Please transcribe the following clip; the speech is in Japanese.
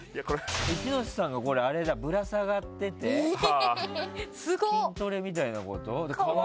一ノ瀬さんがぶら下がってて筋トレみたいなこと？